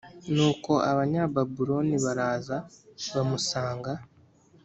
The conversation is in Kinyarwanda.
Nuko abanyababuloni baraza bamusanga